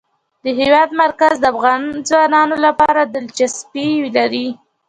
د هېواد مرکز د افغان ځوانانو لپاره دلچسپي لري.